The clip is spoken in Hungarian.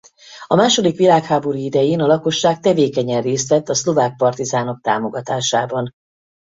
A második világháború idején a lakosság tevékenyen részt vett a szlovák partizánok támogatásában.